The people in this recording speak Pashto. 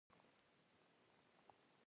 ښه عمل د عزت لامل ګرځي.